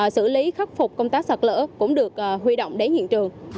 xử lý khắc phục công tác sạc lỡ cũng được huy động đến hiện trường